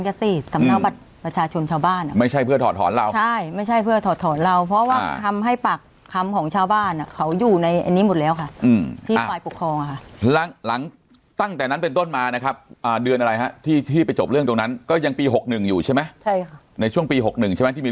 ก็เป็นที่รู้กันเหมือนนั้นล่ะค่ะเป็นที่รู้กันของวงการ